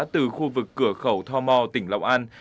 từ khu vực cửa khẩu tho mo tỉnh long an